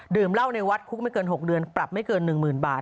เหล้าในวัดคุกไม่เกิน๖เดือนปรับไม่เกิน๑๐๐๐บาท